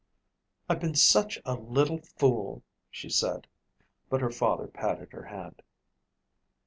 "I've been such a little fool," she said, but her father patted her hand.